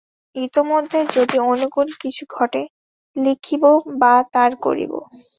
ইতোমধ্যে যদি অনুকূল কিছু ঘটে, লিখিব বা তার করিব।